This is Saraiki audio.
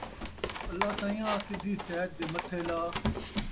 اللہ سئیں آں! سِدھی سیت دے متھّے لا